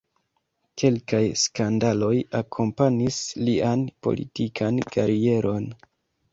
Kelkaj skandaloj akompanis lian politikan karieron.